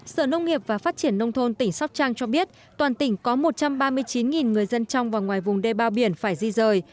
sở nông nghiệp và phát triển nông thôn tỉnh sóc trăng cho biết toàn tỉnh có một trăm ba mươi chín người dân trong và ngoài vùng đê bao biển phải di rời